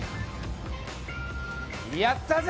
やったぜ！